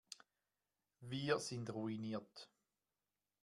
Wir sind ruiniert.